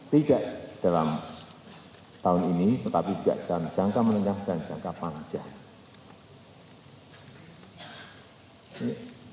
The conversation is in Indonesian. tidak dalam tahun ini tetapi juga dalam jangka menengah dan jangka panjang